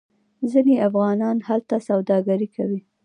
ځینې افغانان هلته سوداګري کوي.